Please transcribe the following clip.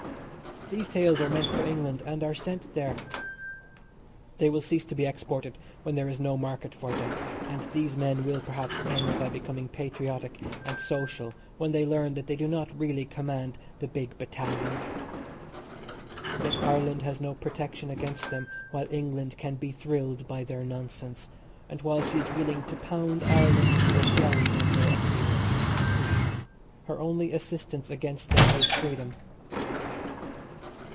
These tales are meant for England and are sent there. They will cease to be exported when there is no market for them, and these men will perhaps end by becoming patriotic and social when they learn that they do not really command the Big Battalions. But Ireland has no protection against them while England can be thrilled by their nonsense, and while she is willing to pound Ireland to a jelly on their appeal. Her only assistance against them is freedom.